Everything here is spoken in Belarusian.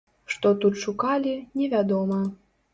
Што тут шукалі, невядома.